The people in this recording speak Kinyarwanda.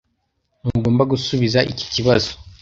Ntugomba gusubiza iki kibazo.